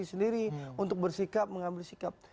sendiri untuk bersikap mengambil sikap